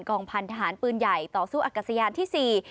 องพันธหารปืนใหญ่ต่อสู้อากาศยานที่๔